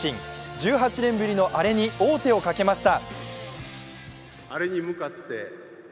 １８年ぶりのアレに王手をかけました。